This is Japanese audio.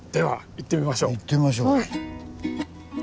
行ってみましょう。